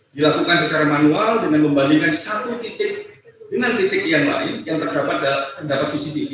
dilakukan secara manual dengan membandingkan satu titik dengan titik yang lain yang terdapat cctv